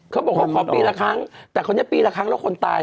เขาบอกเขาขอปีละครั้งแต่คนนี้ปีละครั้งแล้วคนตาย